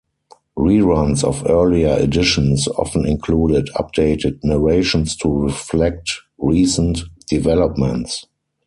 Reruns of earlier editions often included updated narrations to reflect recent developments.